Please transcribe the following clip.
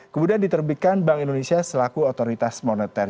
kemudian diterbitkan bank indonesia selaku otoritas moneter